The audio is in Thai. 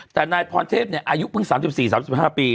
แต่นายพรเทพอายุเพิ่ง๓๔๓๕ปี